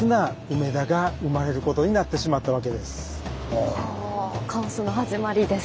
はあカオスの始まりです。